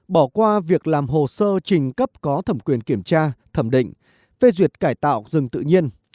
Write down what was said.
bỏ qua việc làm hồ sơ trình cấp có thẩm quyền kiểm tra thẩm định phê duyệt cải tạo rừng tự nhiên